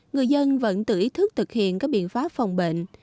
người dân vẫn tự ý thức thực hiện các biện pháp phòng bệnh